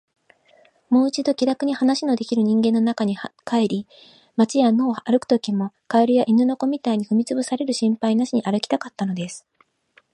もう一度、気らくに話のできる人間の中に帰り、街や野を歩くときも、蛙や犬の子みたいに踏みつぶされる心配なしに歩きたかったのです。